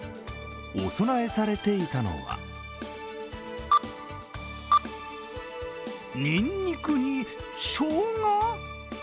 お供えされていたのはにんにくに、しょうが？